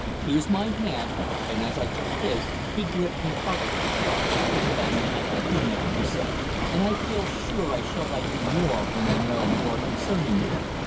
"Here's my hand," and as I took his, he gripped me heartily. "I confess I like you now," he added, "and I feel sure I shall like you more when I know more concerning you."